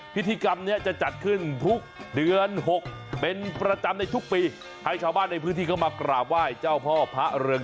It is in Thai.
พิธีกรรมนี้จะจัดขึ้นทุกเดือน๖เป็นประจำในทุกปี